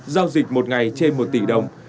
giao dịch một ngày trên một tỷ đồng